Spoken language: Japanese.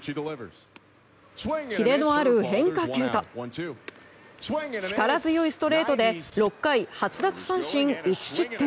キレのある変化球と力強いストレートで６回８奪三振１失点。